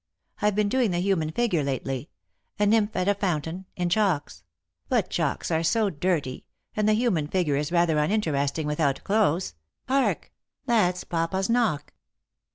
I've been doing the human figure lately — a nymph at a fountain— in chalks; but chalks are so dirty, and the human figure is rather uninteresting without clothes. Hark ! that's papa's knock."